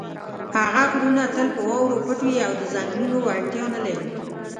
هغه غرونه تل په واورو پټ وي او د څنګلونو وړتیا نه لري.